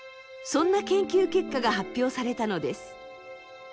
そんな研究結果が発表されたのです。